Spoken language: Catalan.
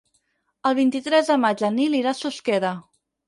El vint-i-tres de maig en Nil irà a Susqueda.